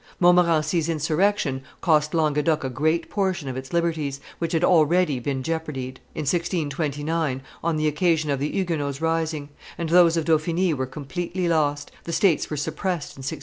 Montmorency's insurrection cost Languedoc a great portion of its liberties, which had already been jeoparded, in 1629, on the occasion of the Huguenots' rising; and those of Dauphiny were completely lost; the states were suppressed in 1628.